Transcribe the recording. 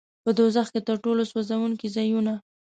په دوزخ کې تر ټولو سوځوونکي ځایونه.